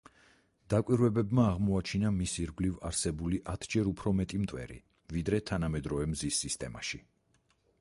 დაკვირვებებმა აღმოაჩინა მის ირგვლივ არსებული ათჯერ უფრო მეტი მტვერი, ვიდრე თანამედროვე მზის სისტემაში.